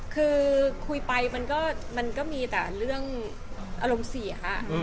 คือคุยไปมันก็มีแต่เรื่องอารมณ์เสียค่ะ